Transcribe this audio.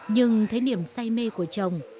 nhưng thấy niềm say mê của chồng